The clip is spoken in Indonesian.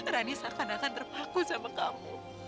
rani seakan akan terpaku sama kamu